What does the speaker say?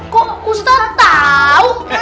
kok ustaz tau